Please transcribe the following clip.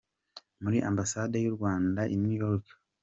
Muri Ambasade y’u Rwanda i New York.